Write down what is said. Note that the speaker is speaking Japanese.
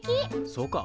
そうか？